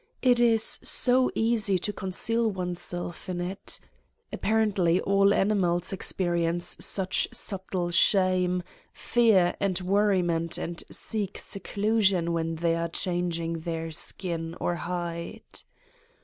It is so easy to conceal oneself in it. Apparently all animals experience such subtle shame, fear and worriment and seek seclu sion when they are changing their skin or hide.